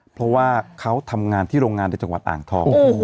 เพราะว่าเขาทำงานที่โรงงานในจังหวัดอ่างทอง